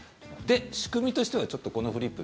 仕組みとしてはこのフリップに。